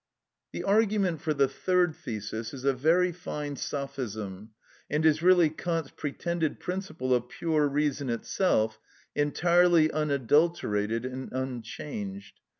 The argument for the third thesis is a very fine sophism, and is really Kant's pretended principle of pure reason itself entirely unadulterated and unchanged.